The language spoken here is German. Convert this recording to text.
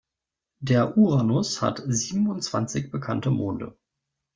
Der Uranus hat siebenundzwanzig bekannte Monde.